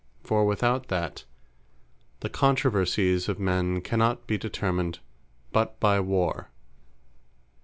For without that, the Controversies of men cannot be determined but by Warre.